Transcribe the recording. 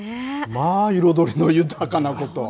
まあ、彩りの豊かなこと。